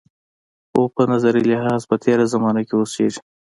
خو په نظري لحاظ په تېره زمانه کې اوسېږي.